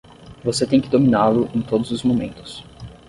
Você tem que dominá-lo em todos os momentos.